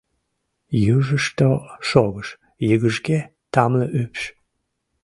Южышто шогыш йыгыжге тамле ӱпш.